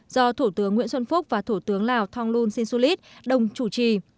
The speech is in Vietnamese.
do thủ tướng nguyễn xuân phúc và thủ tướng lào thonglun sin su lít đồng chủ trì